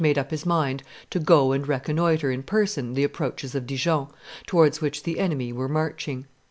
made up his mind to go and reconnoitre in person the approaches of Dijon, towards which the enemy were marching.